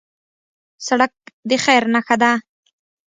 سړک د خیر نښه ده.